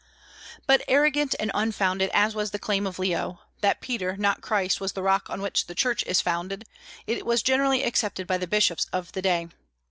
But arrogant and unfounded as was the claim of Leo, that Peter, not Christ, was the rock on which the Church is founded, it was generally accepted by the bishops of the day.